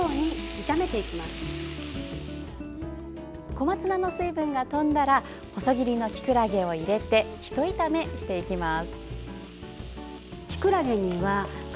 小松菜の水分が飛んだら細切りのきくらげを入れてひと炒めしていきます。